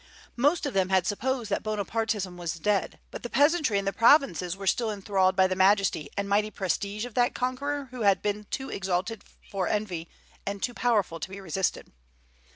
Most of them had supposed that Bonapartism was dead; but the peasantry in the provinces still were enthralled by the majesty and mighty prestige of that conqueror who had been too exalted for envy and too powerful to be resisted.